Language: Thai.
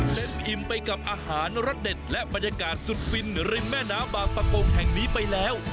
เต็มอิ่มไปกับอาหารรสเด็ดและบรรยากาศสุดฟินริมแม่น้ำบางประกงแห่งนี้ไปแล้ว